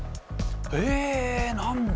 え何だ？